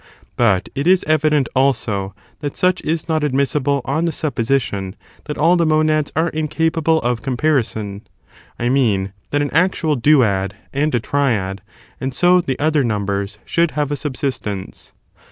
But it is evident, also, that such is not admissible on the supposition that all the monads are incapable of com parison— I mean, that an actual duad, and a triad, and so the other numbers, should have a subsistence.